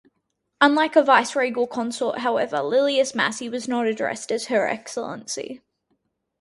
Unlike a viceregal consort, however, Lilias Massey was not addressed as "Her Excellency".